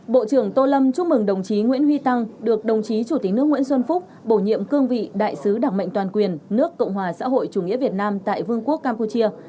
bộ trưởng tô lâm chúc mừng đồng chí nguyễn huy tăng được đồng chí chủ tịch nước nguyễn xuân phúc bổ nhiệm cương vị đại sứ đảng mệnh toàn quyền nước cộng hòa xã hội chủ nghĩa việt nam tại vương quốc campuchia